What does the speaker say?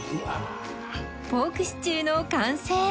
ポークシチューの完成